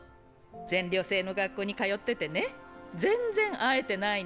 全寮制の学校に通っててね全然会えてないの。